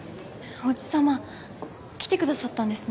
おじさま来てくださったんですね